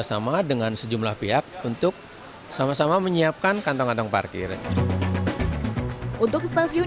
sama dengan sejumlah pihak untuk sama sama menyiapkan kantong kantong parkir untuk stasiun